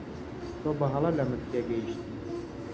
تۆ بەهەڵە لە من تێگەیشتی.